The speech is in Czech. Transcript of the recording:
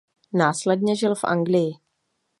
Následně žil v Anglii.